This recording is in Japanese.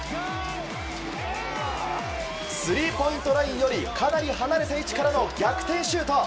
スリーポイントラインよりかなり離れた位置からの逆転シュート。